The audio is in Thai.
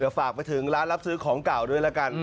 ฝากไปถึงร้านรับซื้อของเก่าด้วยละกัน